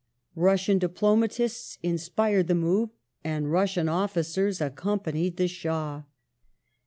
Russian diplomatists inspired the move, and Russian officers accompanied the Shah.